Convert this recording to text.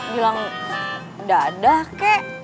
bilang dadah kek